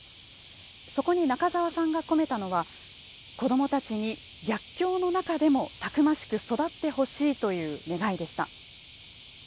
そこに中沢さんが込めたのは子どもたちに、逆境の中でもたくましてく育って欲しいという願いでした。